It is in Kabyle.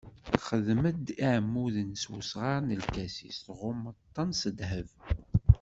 Xdem-d iɛmuden s wesɣar n lkasis tɣummeḍ-ten s ddheb.